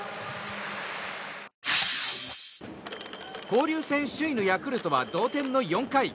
交流戦首位のヤクルトは同点の４回。